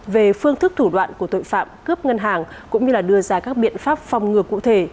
về phương thức thủ đoạn của tội phạm cướp ngân hàng cũng như đưa ra các biện pháp phòng ngừa cụ thể